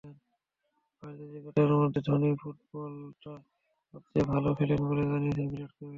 ভারতীয় ক্রিকেটারদের মধ্যে ধোনিই ফুটবলটা সবচেয়ে ভালো খেলেন বলে জানিয়েছেন বিরাট কোহলি।